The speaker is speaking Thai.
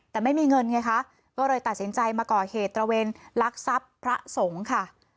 แต่ไม่มีเงินไงคะก็เลยตัดสินใจมาก่อเหตุตระเวนลักทรัพย์พระสงฆ์ค่ะ